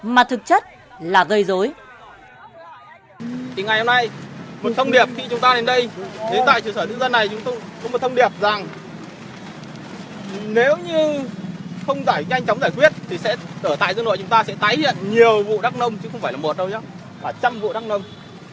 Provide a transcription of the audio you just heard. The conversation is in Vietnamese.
một thông điệp khi chúng ta đến đây đến tại trường sở nước dân này chúng ta có một thông điệp rằng nếu như không nhanh chóng giải quyết thì ở tại dân đội chúng ta sẽ tái hiện nhiều vụ đắc nông chứ không phải là một đâu nhé phải trăm vụ đắc nông